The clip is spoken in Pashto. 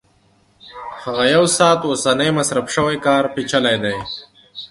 هغه یو ساعت اوسنی مصرف شوی کار پېچلی دی